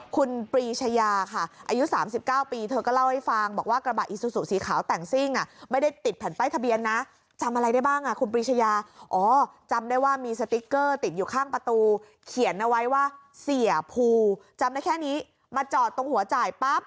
เขียนเอาไว้ว่าเสียภูจำได้แค่นี้มาจอดตรงหัวจ่ายปั๊บ